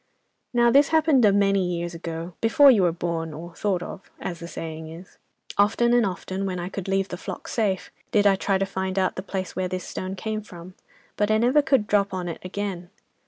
"'Now this happened a many years ago, before you were born, or thought of, as the saying is. Often and often, when I could leave the flock safe, did I try to find out the place where this stone came from, but I never could drop on it again.